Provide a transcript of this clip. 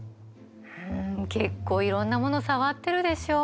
うん結構いろんなもの触ってるでしょ。